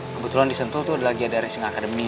kebetulan di sentul tuh ada gia dara singa academy